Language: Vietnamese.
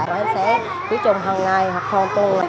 bọn em sẽ chữa trùng hằng ngày hoặc hồi tuần